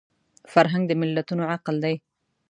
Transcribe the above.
فرهنګ د ملتونو عقل دی